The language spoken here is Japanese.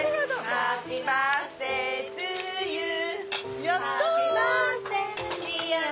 ハッピーバースデートゥユーえ